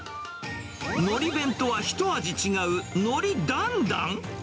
のり弁とは一味違う海苔だんだん？